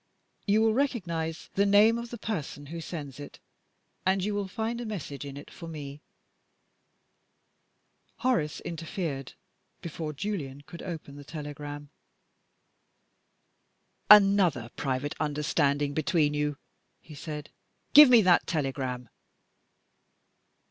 "You will recognize the name of the person who sends it, and you will find a message in it for me." Horace interfered before Julian could open the telegram. "Another private understanding between you!" he said. "Give me that telegram."